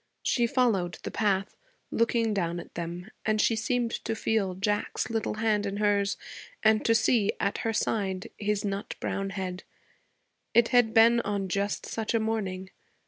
She followed the path, looking down at them, and she seemed to feel Jack's little hand in hers and to see, at her side, his nut brown head. It had been on just such a morning.